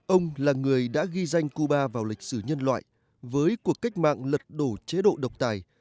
ông là người đã ghi danh cuba vào lịch sử nhân loại với cuộc cách mạng lật đổ chế độ độc tài